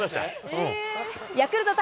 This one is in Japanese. ヤクルト対